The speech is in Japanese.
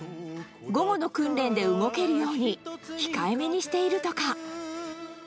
午後の訓練で動けるように、控えめにしているとか。